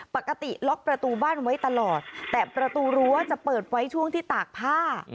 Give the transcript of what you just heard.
ปกติล็อกประตูบ้านไว้ตลอดแต่ประตูรั้วจะเปิดไว้ช่วงที่ตากผ้า